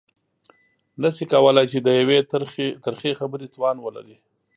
نه شي کولای چې د يوې ترخې خبرې توان ولري.